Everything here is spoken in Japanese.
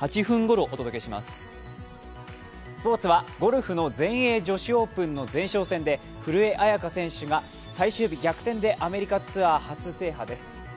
スポーツはゴルフの全英女子オープンの前哨戦で古江彩佳選手が最終日、逆転でアメリカツアー初制覇です。